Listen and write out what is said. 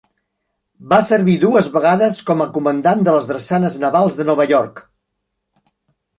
Va servir dues vegades com a comandant de les Drassanes Navals de Nova York.